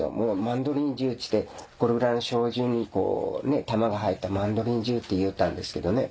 マンドリン銃っていってこれぐらいの小銃にこう弾が入ったマンドリン銃って言いよったんですけどね。